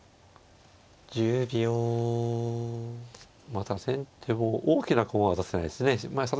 まあただ先手も大きな駒は渡せないですね。